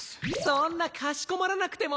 そんなかしこまらなくても！